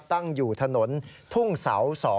ตั้งอยู่ถนนทุ่งเสา๒